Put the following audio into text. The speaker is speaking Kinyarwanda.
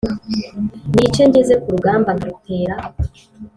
nice ngeze ku rugamba, nkarutera